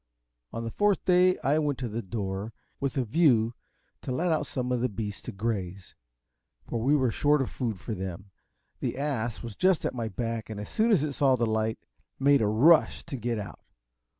On the fourth day I went to the door, with a view to let out some of the beasts to graze, for we were short of food for them. The ass was just at my back, and as soon as it saw the light, made a rush to get out.